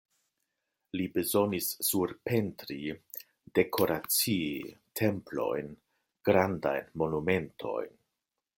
Li bezonis surpentri, dekoracii templojn, grandajn monumentojn.